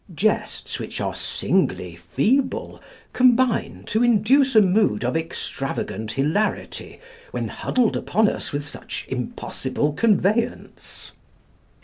Jests which are singly feeble combine to induce a mood of extravagant hilarity when huddled upon us with such "impossible conveyance."